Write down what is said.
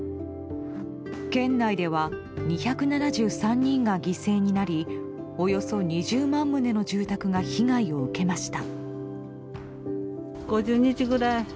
県内では２７３人が犠牲になりおよそ２０万棟の住宅が被害を受けました。